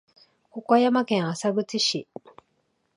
岡山県浅口市